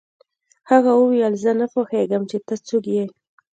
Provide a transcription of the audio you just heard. هغه وویل زه نه پوهېږم چې ته څوک یې